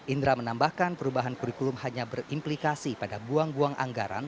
indra menambahkan perubahan kurikulum hanya berimplikasi pada buang buang anggaran